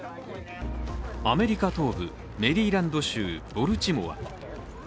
アメリカ東部メリーランド州ボルティモア。